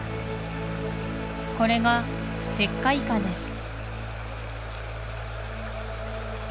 これが石灰華です